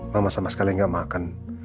mama sama sekali nggak makan